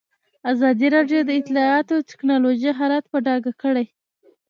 ازادي راډیو د اطلاعاتی تکنالوژي حالت په ډاګه کړی.